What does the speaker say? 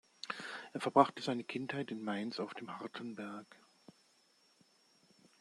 Er verbrachte seine Kindheit in Mainz auf dem Hartenberg.